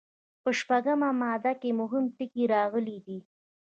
په شپږمه ماده کې مهم ټکي راغلي دي.